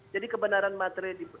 jadi kebenaran materi